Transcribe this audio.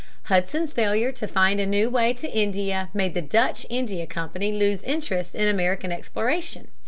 Hudson's failure to find a new way to India made the Dutch India Company lose interest in American exploration.